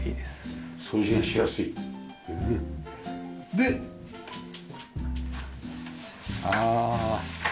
でああ。